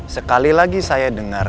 sekali lagi saya dengar